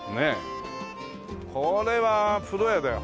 これは風呂屋だよ。